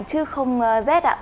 chứ không rét ạ